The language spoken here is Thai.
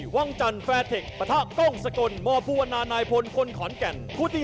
๔วังจันแฟร์เทคปฏก้องสกลมภนายพลคนขอนแก่น